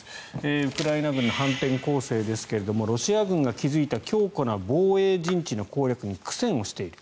ウクライナ軍の反転攻勢ですがロシア軍が築いた強固な防衛陣地の攻略に苦戦している。